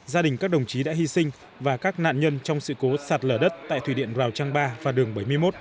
gia đình các đồng chí đã hy sinh và các nạn nhân trong sự cố sạt lở đất tại thủy điện rào trăng ba và đường bảy mươi một